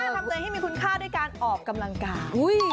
ทำไงให้มีคุณค่าด้วยการออกกำลังกาย